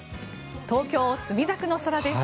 東京・墨田区の空です。